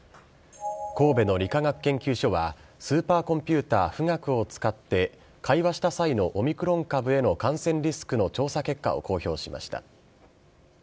神戸の理化学研究所は、スーパーコンピューター、富岳を使って、会話した際のオミクロン株への感染リスクの調査結果を公表しました。